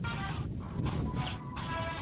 ذمي ته امان ورکول واجب دي.